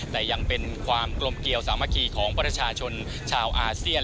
แต่ยังเป็นความกลมเกี่ยวสามัคคีของประชาชนชาวอาเซียน